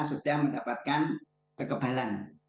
sudah mendapatkan kekebalan